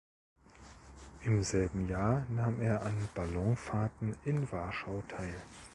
Im selben Jahr nahm er an Ballonfahrten in Warschau teil.